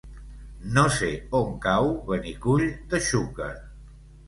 No sé on cau Benicull de Xúquer.